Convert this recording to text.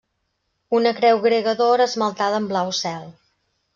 Una creu grega d'or, esmaltada en blau cel.